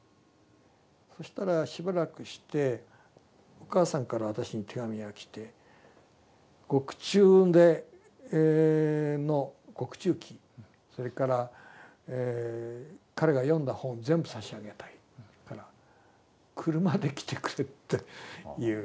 そしたらしばらくしてお母さんから私に手紙が来て獄中での獄中記それから彼が読んだ本全部差し上げたいから車で来てくれって言う。